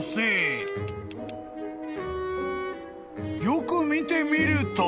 ［よく見てみると］